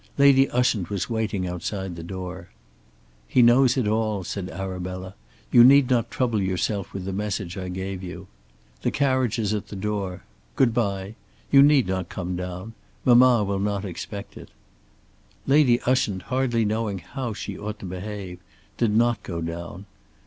Lady Ushant was waiting outside the door. "He knows it all," said Arabella. "You need not trouble yourself with the message I gave you. The carriage is at the door. Good bye. You need not come down. Mamma will not expect it." Lady Ushant, hardly knowing how she ought to behave, did not go down.